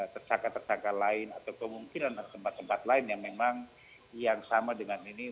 tersangka tersangka lain atau kemungkinan tempat tempat lain yang memang yang sama dengan ini